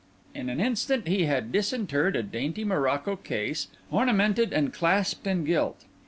In an instant he had disinterred a dainty morocco case, ornamented and clasped in gilt.